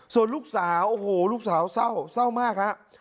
ส่วนลูกสาวโอ้โหลูกสาวเศร้ามากครับ